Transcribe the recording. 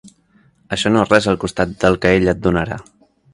Això no és res al costat del que ell et donarà.